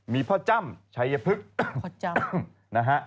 มีพ่อจ้ํอชัยพฤกษ์นะฮะ